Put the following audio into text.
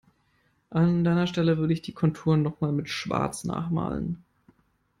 An deiner Stelle würde ich die Konturen noch mal mit Schwarz nachmalen.